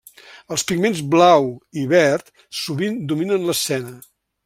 Els pigments blau i verd sovint dominen l'escena.